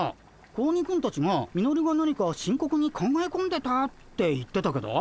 子鬼くんたちがミノルが何か深刻に考え込んでたって言ってたけど？